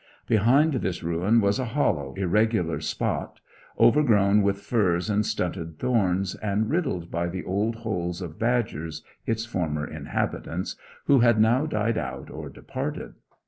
Behind this ruin was a hollow, irregular spot, overgrown with furze and stunted thorns, and riddled by the old holes of badgers, its former inhabitants, who had now died out or departed.